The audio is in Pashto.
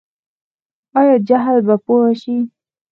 آیا جهل به پوهه شي؟